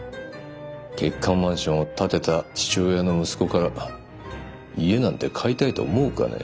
欠陥マンションを建てた父親の息子から家なんて買いたいと思うかね。